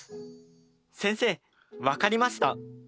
先生分かりました！